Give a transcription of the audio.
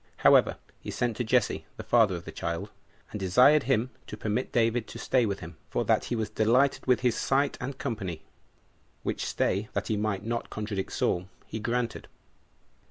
However, he sent to Jesse, the father of the child, and desired him to permit David to stay with him, for that he was delighted with his sight and company; which stay, that he might not contradict Saul, he granted.